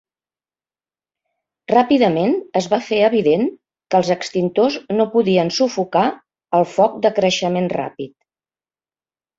Ràpidament es va fer evident que els extintors no podien sufocar el foc de creixement ràpid.